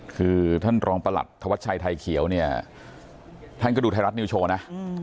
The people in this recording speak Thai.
คือท่านรองประหลัดธวัชชัยไทยเขียวเนี่ยท่านก็ดูไทยรัฐนิวโชว์นะ